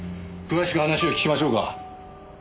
詳しく話を聞きましょうか。